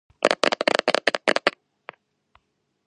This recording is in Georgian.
მადლიერების დღის პირველი აღნიშვნის თარიღი და ადგილი სადავოა.